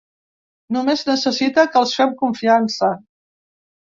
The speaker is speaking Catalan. Només necessita que els fem confiança.